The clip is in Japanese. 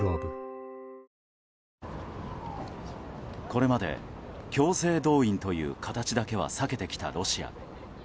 これまで強制動員という形だけは避けてきたロシア。